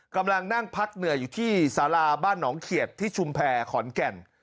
กำลังนั่งพักเหนื่อยอยู่ที่สาราบ้านหนองเขียดที่ชุมแพรขอนแก่น